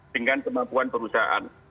dengan kemampuan perusahaan